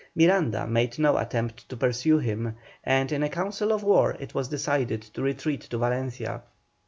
Miranda made no attempt to pursue him, and in a council of war it was decided to retreat to Valencia.